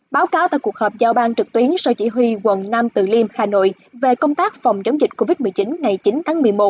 báo cáo tại cuộc họp giao ban trực tuyến sở chỉ huy quận nam từ liêm hà nội về công tác phòng chống dịch covid một mươi chín ngày chín tháng một mươi một